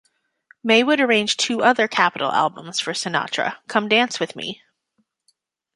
May would arrange two other Capitol albums for Sinatra, Come Dance with Me!